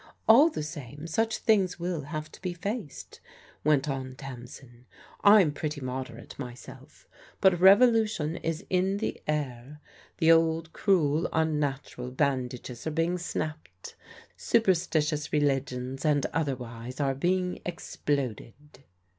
"All the same such things will have to be faced/' went on Tamsin. "I'm pretty moderate myself, but revo lution is in the air. The old cruel, unnatural bandages are being snapped, superstitious religions and otherwise are being exploded."